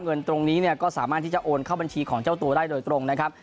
เงินตรงนี้เนี่ยก็สามารถที่จะโอนเข้าบัญชีของเจ้าตัวได้โดยตรงนะครับ